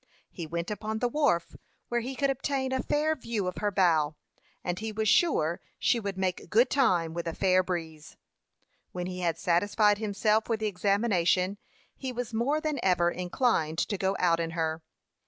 He went upon the wharf, where he could obtain a fair view of her bow, and he was sure she would make good time with a fair breeze. When he had satisfied himself with the examination, he was more than ever inclined to go out in her.